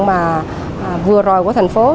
mà vừa rồi của thành phố